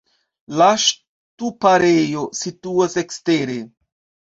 La ŝtuparejo situas ekstere.